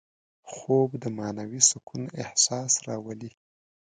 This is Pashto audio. خوب د معنوي سکون احساس راولي